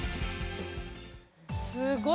すごい！